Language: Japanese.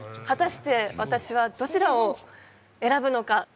果たして私はどちらを選ぶのか？